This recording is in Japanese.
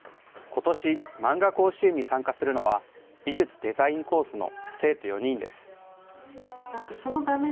ことし、まんが甲子園に参加するのは、美術デザインコースの生徒４人です。